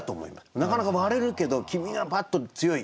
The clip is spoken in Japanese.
なかなか割れるけど黄身がパッと強い。